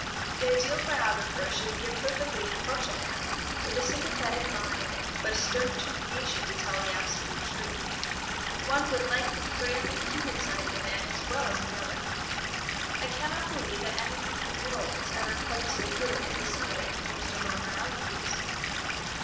The ideal biographer should be a perfectly impartial man, with a sympathetic mind, but a stern determination to tell the absolute truth. One would like the frail, human side of a man as well as the other. I cannot believe that anyone in the world was ever quite so good as the subject of most of our biographies.